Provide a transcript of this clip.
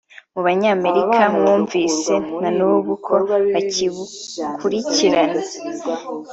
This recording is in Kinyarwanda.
mu Banyamerika mwumvise na n’ubu ko bakibikurikirana